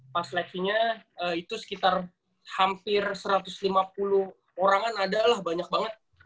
pas seleksinya itu sekitar hampir satu ratus lima puluh orangan ada lah banyak banget